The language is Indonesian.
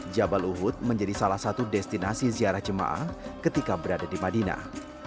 jabal uhud menjadi salah satu destinasi ziarah jemaah ketika berada di madinah